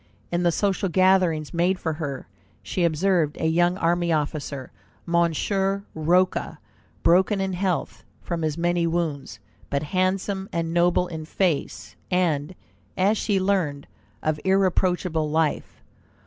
In the social gatherings made for her, she observed a young army officer, Monsieur Rocca, broken in health from his many wounds, but handsome and noble in face, and, as she learned, of irreproachable life.